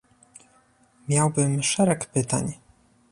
Miałbym szereg pytań